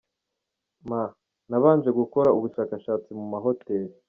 M : Nabanje gukora ubushakashatsi mu mahoteli.